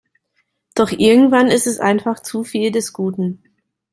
Doch irgendwann ist es einfach zu viel des Guten.